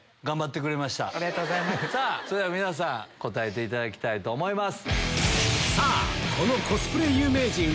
それでは皆さん答えていただきたいと思います。